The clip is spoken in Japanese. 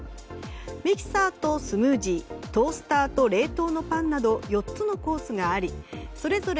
ミキサーとスムージートースターと冷凍のパンなど４つのコースがありそれぞれ